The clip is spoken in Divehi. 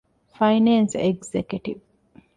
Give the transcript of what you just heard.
ފައިނޭންސް އެގްޒެކެޓިވް